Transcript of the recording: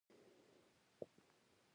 سیمې تاریخي پېښو په باره کې کار اخیستل کېږي.